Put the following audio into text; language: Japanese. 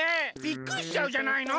びっくりしちゃうじゃないの！